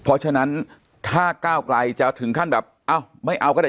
เพราะฉะนั้นถ้าก้าวไกลจะถึงขั้นแบบเอ้าไม่เอาก็ได้